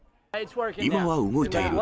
今は動いている。